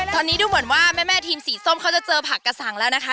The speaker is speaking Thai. ตอนนี้ดูเหมือนว่าแม่ทีมสีส้มเขาจะเจอผักกระสังแล้วนะคะ